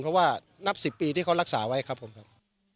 เพราะว่านับ๑๐ปีที่เขารักษาไว้ครับผมครับ